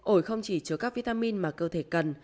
ổi không chỉ chứa các vitamin mà cơ thể cần